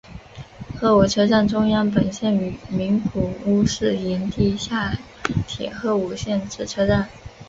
鹤舞车站中央本线与名古屋市营地下铁鹤舞线之车站。